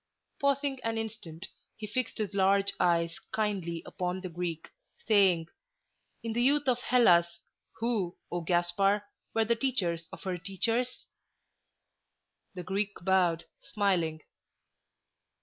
Pausing an instant, he fixed his large eves kindly upon the Greek, saying, "In the youth of Hellas, who, O Gaspar, were the teachers of her teachers?" The Greek bowed, smiling.